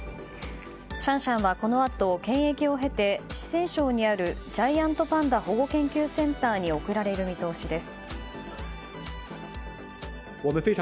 シャンシャンはこのあと検疫を経て四川省にあるジャイアントパンダ保護研究センターに送られる見通しです。